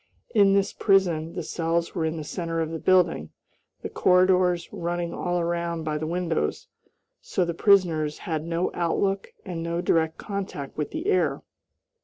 In this prison the cells were in the center of the building, the corridors running all around by the windows, so the prisoners had no outlook and no direct contact with the air.